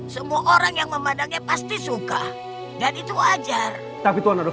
semua orang yang memandangnya pasti suka dan itu wajar tapi tuhan adolf